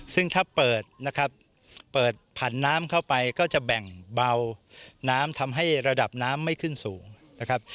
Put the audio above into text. ซึ่งถ้าเปิดนะครับเปิดผันน้ำเข้าไปก็จะแบ่งเบาน้ำทำให้ระดับน้ำไม่ขึ้นสูงนะครับ